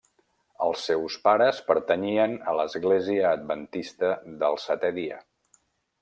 Els seus pares pertanyien a l'Església Adventista del Setè Dia.